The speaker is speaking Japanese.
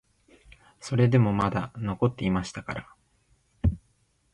それでもまだ残っていましたから、